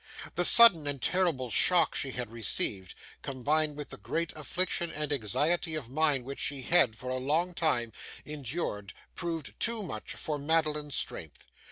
The sudden and terrible shock she had received, combined with the great affliction and anxiety of mind which she had, for a long time, endured, proved too much for Madeline's strength.